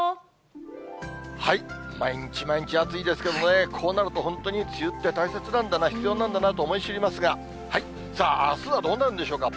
毎日毎日、暑いですけどね、こうなると、本当に梅雨って大切なんだな、必要なんだなと思い知りますが、さあ、あすはどうなるんでしょうか。